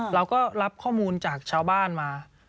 เราก็รับข้อมูลจากชาวบ้านมา